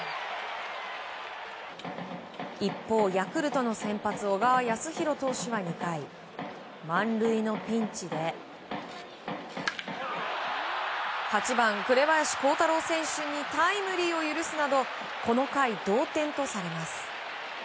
一方、ヤクルトの先発小川泰弘投手は２回満塁のピンチで８番、紅林弘太郎選手にタイムリーを許すなどこの回、同点とされます。